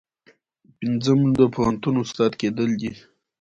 پنځم د پوهنتون استاد کیدل دي.